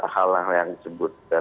hal yang disebutkan